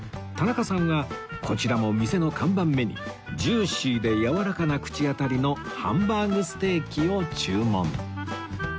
田中さんはこちらも店の看板メニュージューシーでやわらかな口当たりのハンバーグステーキを注文